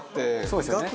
そうですよね。